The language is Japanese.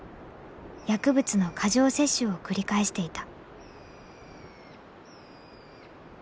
薬物の過剰摂取を繰り返していた。